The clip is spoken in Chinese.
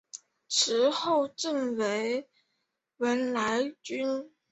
池后正中为文澜阁。